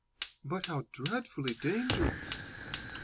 "But how dreadfully dangerous!"